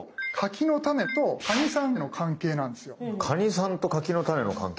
カニさんと柿の種の関係？